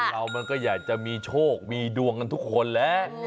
เรามันก็อยากจะมีโชคมีดวงกันทุกคนแหละ